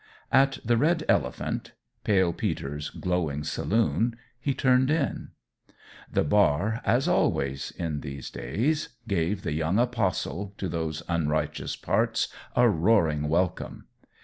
At the Red Elephant Pale Peter's glowing saloon he turned in. The bar, as always, in these days, gave the young apostle to those unrighteous parts a roaring welcome.